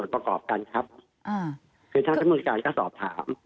ประกอบกันครับอ่าคือท่านสมมุติการก็สอบถาม